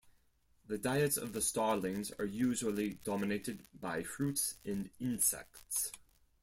The diets of the starlings are usually dominated by fruits and insects.